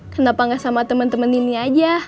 kenapa ga sama temen dua nini aja